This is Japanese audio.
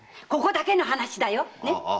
ここだけの話だよ！